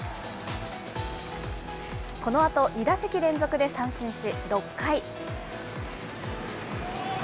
このあと、２打席連続で三振し、６回。